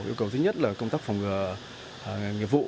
yêu cầu thứ nhất là công tác phòng ngừa nghiệp vụ